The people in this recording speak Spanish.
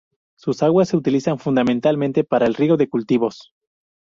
Sus aguas se utilizan fundamentalmente para el riego de cultivos.